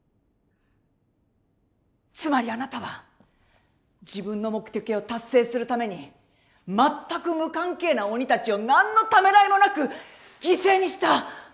つまりあなたは自分の目的を達成するために全く無関係な鬼たちを何のためらいもなく犠牲にした！